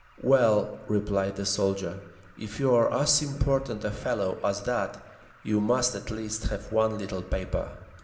"Well," replied the soldier, "if you're as important a fellow as that you must at least have one little paper."